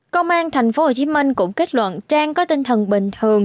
công an tp hcm cũng kết luận trang có tinh thần bình thường